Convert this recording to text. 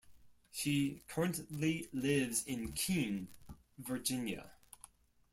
She currently lives in Keene, Virginia.